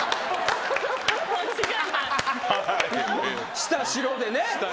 下白でね。